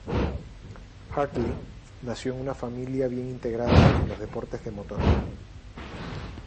Hartley nació en una familia bien integrada en los deportes de motor.